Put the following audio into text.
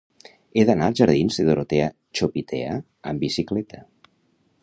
He d'anar als jardins de Dorotea Chopitea amb bicicleta.